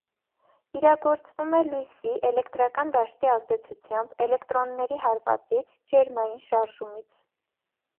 Իրագործվում է լույսի, էլեկտրական դաշտի ազդեցությամբ, էլեկտրոնների հարվածից, ջերմային շարժումից։